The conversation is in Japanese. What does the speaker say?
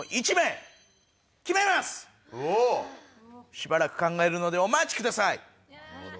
しばらく考えるのでお待ちください。